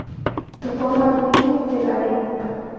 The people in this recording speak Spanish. Su forma viene de la Х.